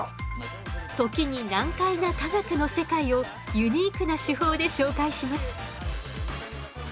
時に難解な科学の世界をユニークな手法で紹介します。